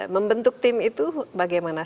membentuk tim itu bagaimana